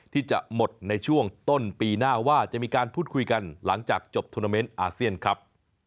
ที่จะหมดในช่วงต้นปีหน้าว่าจะมีการพูดคุยกันหลังจากจบทวนาเมนต์อาเซียนครับ